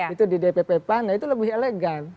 itu di dpp pan nah itu lebih elegan